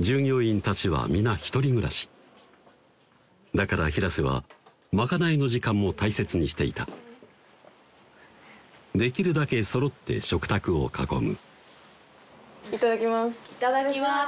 従業員たちは皆１人暮らしだから平瀬は賄いの時間も大切にしていたできるだけそろって食卓を囲むいただきますいただきます